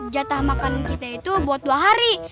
jatah makanan kita itu buat dua hari